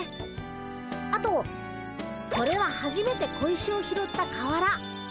あとこれははじめて小石を拾った川原。